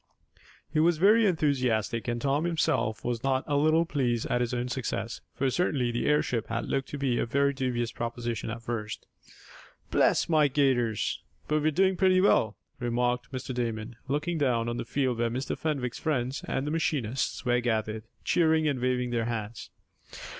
He was very enthusiastic, and Tom himself was not a little pleased at his own success, for certainly the airship had looked to be a very dubious proposition at first. "Bless my gaiters! But we are doing pretty well," remarked Mr. Damon, looking down on the field where Mr. Fenwick's friends and the machinists were gathered, cheering and waving their hands.